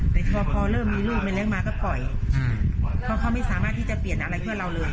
แต่พอพอเริ่มมีลูกไม่เลี้ยงมาก็ปล่อยเพราะเขาไม่สามารถที่จะเปลี่ยนอะไรเพื่อเราเลย